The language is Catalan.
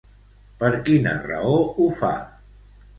Per quina raó ho fa?